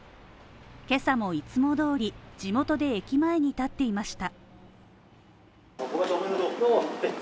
今朝もいつもどおり地元で駅前に立っていました。